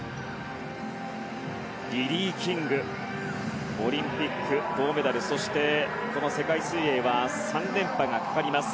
リリー・キングはオリンピック銅メダルそして、この世界水泳は３連覇がかかります。